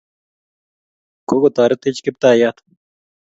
kokotoretech kiptayat